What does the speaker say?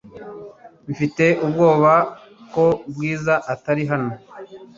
Mfite ubwoba ko Bwiza atari hano .